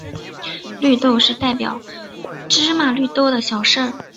绿豆是代表芝麻绿豆的小事。